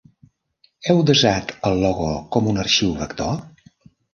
Heu desat el logo com un arxiu vector?